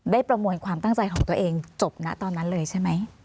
ประมวลความตั้งใจของตัวเองจบนะตอนนั้นเลยใช่ไหม